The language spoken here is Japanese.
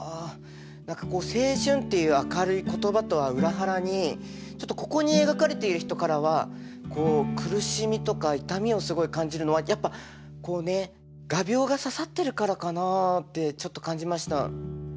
何かこう「青春」っていう明るい言葉とは裏腹にちょっとここに描かれている人からはこう苦しみとか痛みをすごい感じるのはやっぱこうね画びょうが刺さってるからかなあってちょっと感じました。